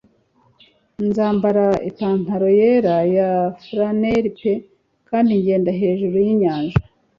Nzambara ipantaro yera ya flannel pe kandi ngenda hejuru yinyanja.